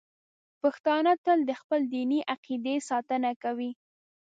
پښتانه تل د خپلې دیني عقیدې ساتنه کوي.